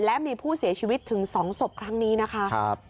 และมีผู้เสียชีวิตถึง๒ศพครั้งนี้นะคะ